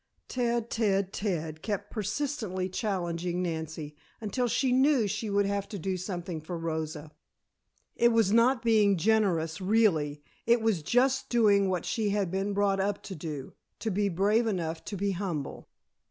"Ted, Ted, Ted!" kept persistingly challenging Nancy, until she knew she would have to do something for Rosa. It was not being generous, really, it was just doing what she had been brought up to do to be brave enough to be humble.